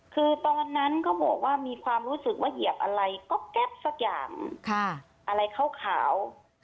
คือตอนนั้นเขาบอกว่ามีความรู้สึกว่าเหยียบอะไรก็แก๊ปสักอย่างอะไรขาว